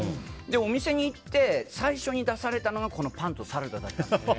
お店に行って最初に出されたのがこのパンとサラダだったんです。